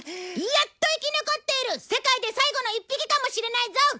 やっと生き残っている世界で最後の一匹かもしれないぞ！